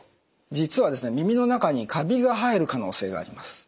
実は耳の中にカビが生える可能性があります。